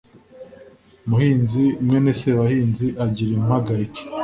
muhinzi mwene sebahinzi agira impagarike